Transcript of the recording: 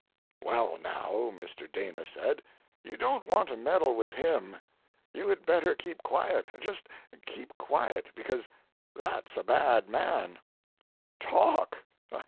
"Well, now," Mr. Dana said, "you don't want to meddle with him; you had better keep quiet; just keep quiet, because that's a bad man. Talk!